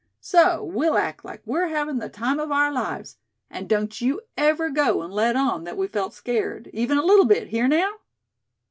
So we'll act like we're havin' the time of our lives; and don't you ever go and let on that we felt scared even a little bit, hear now?"